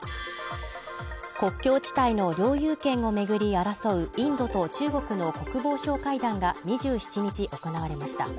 国境地帯の領有権を巡り争うインドと中国の国防相会談が２７日行われました。